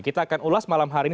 kita akan ulas malam hari ini